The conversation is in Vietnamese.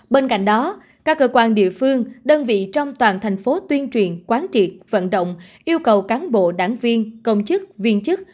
bên cạnh đó các cơ quan địa phương đơn vị trong toàn thành phố tuyên truyền quán triệt vận động yêu cầu cán bộ đảng viên công chức viên chức